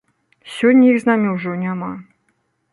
Сёння іх з намі ўжо няма.